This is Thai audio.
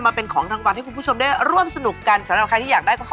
อุ๊ยน่ารักค่ะอุ๊ยน่ารักค่ะอุ๊ยน่ารักค่ะอุ๊ยน่ารักค่ะ